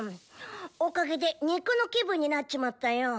おかげで肉の気分になっちまったよ。